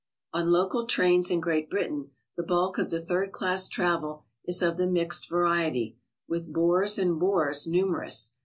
On local trains in Great Britain the bulk of the third class travel is of the mixed variety, with boors and bores numerous.